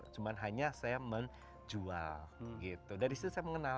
cuma hanya saya menjual gitu dari situ saya mengenal